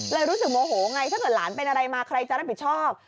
รู้สึกโมโหไงถ้าเกิดหลานเป็นอะไรมาใครจะรับผิดชอบ